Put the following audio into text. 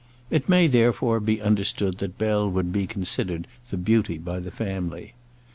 It may, therefore, be understood that Bell would be considered the beauty by the family.